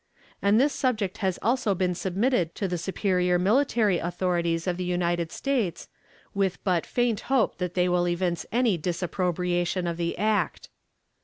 And this subject has also been submitted to the superior military authorities of the United States, with but faint hope that they will evince any disapprobation of the act.